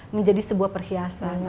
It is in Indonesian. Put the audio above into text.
menjadi sebuah perhiasan